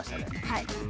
はい。